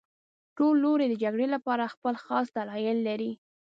ټول لوري د جګړې لپاره خپل خاص دلایل لري